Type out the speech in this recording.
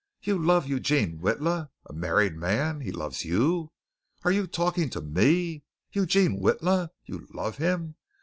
"You love Eugene Witla? a married man! He loves you! Are you talking to me? Eugene Witla!! You love him!